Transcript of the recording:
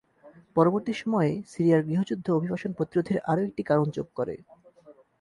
পরবর্তী সময়ে সিরিয়ার গৃহযুদ্ধ অভিবাসন প্রতিরোধের আরও একটি কারণ যোগ করে।